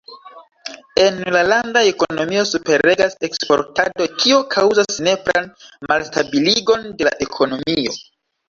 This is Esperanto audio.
En la landa ekonomio superregas eksportado, kio kaŭzas nepran malstabiligon de la ekonomio.